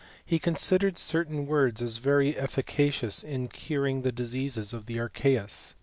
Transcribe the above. He considered certain words as very efficacious in curing the diseases of the archeus.